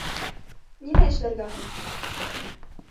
Нимә эшләргә һуң?